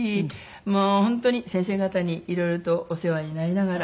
もう本当に先生方にいろいろとお世話になりながら。